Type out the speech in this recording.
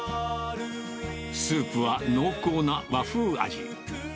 スープは濃厚な和風味。